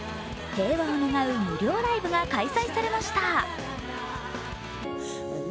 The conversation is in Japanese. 平和を願う無料ライブが開催されました。